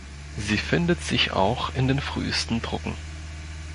Sie findet sich auch in den frühesten Drucken.